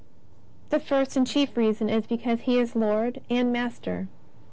" The first and chief reason is because He is Lord and Master.